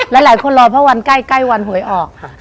แล้วหลายคนรอเพราะวันใกล้วันหวยออก